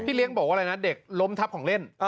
เลี้ยงบอกว่าอะไรนะเด็กล้มทับของเล่น